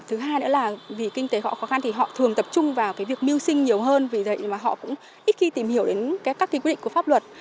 thứ hai nữa là vì kinh tế họ khó khăn thì họ thường tập trung vào cái việc mưu sinh nhiều hơn vì vậy mà họ cũng ít khi tìm hiểu đến các quy định của pháp luật